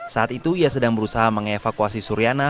saat itu ia sedang berusaha mengevakuasi suriana